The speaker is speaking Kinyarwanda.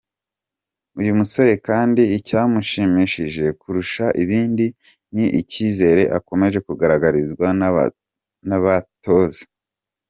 Uyu musore kandi icyamushimishije kurusha ibindi ni icyizere akomeje kugaragarizwa n’abatoza.